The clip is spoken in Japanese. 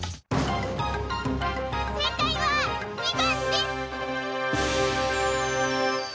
せいかいは２ばんです！